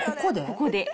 ここで。